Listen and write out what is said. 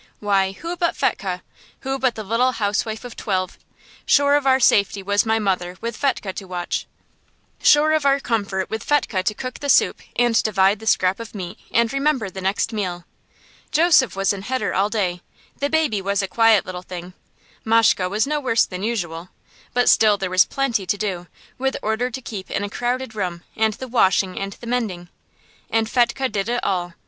Why, who but Fetchke? Who but the little housewife of twelve? Sure of our safety was my mother with Fetchke to watch; sure of our comfort with Fetchke to cook the soup and divide the scrap of meat and remember the next meal. Joseph was in heder all day; the baby was a quiet little thing; Mashke was no worse than usual. But still there was plenty to do, with order to keep in a crowded room, and the washing, and the mending. And Fetchke did it all.